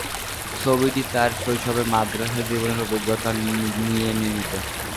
ছবিটি তার শৈশবে মাদ্রাসা জীবনের অভিজ্ঞতা নিয়ে নির্মিত।